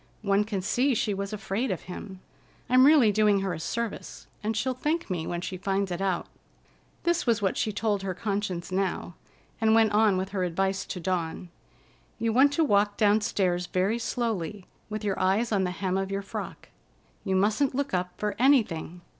One can see she was afraid of him. I'm really doing her a service, and she'll thank me when she finds it out." This was what she told her conscience now, and went on with her advice to Dawn. "You want to walk downstairs very slowly, with your eyes on the hem of your frock. You mustn't look up for anything."